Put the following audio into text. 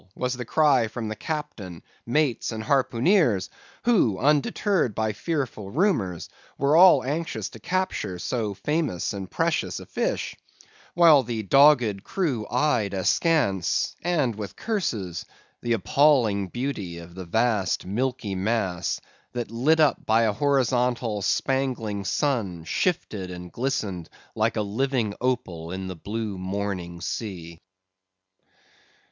was the cry from captain, mates, and harpooneers, who, undeterred by fearful rumours, were all anxious to capture so famous and precious a fish; while the dogged crew eyed askance, and with curses, the appalling beauty of the vast milky mass, that lit up by a horizontal spangling sun, shifted and glistened like a living opal in the blue morning sea.